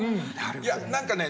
いや何かね